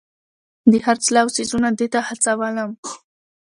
د خرڅلاو څیزونه دې ته هڅولم.